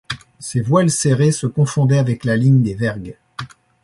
Ses voiles serrées se confondaient avec la ligne des vergues.